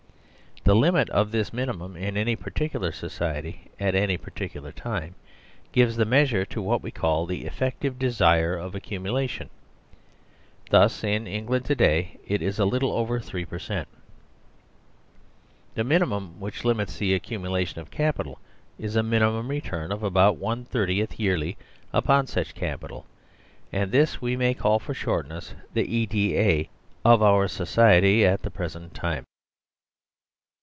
The limit of this mini mum in any particular society at any particular time gives the measure to what we call "the Effective Desire of Ac cumulation." Thus in England to day it is a little over 3 per cent. The minimum which limits the accumulation of capital is a mimimum return of about one thirtieth yearly upon such capital, and this we may call for shortness the " E.D.A." of our society at the present time.